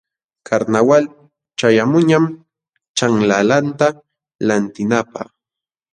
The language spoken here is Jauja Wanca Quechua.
Karnawal ćhayaqmunñam ćhanlalanta lantinapaq.